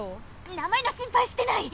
名前の心ぱいしてない。